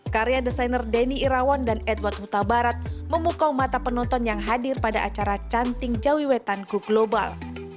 karya desainer denny irawan dan edward huta barat memukau mata penonton yang hadir pada acara canting jawiwetanku global